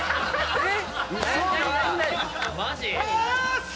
えっ？